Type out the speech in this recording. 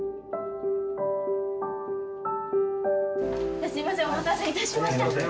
じゃあすいませんお待たせいたしました。